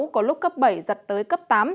có lúc cấp bảy giật tới cấp tám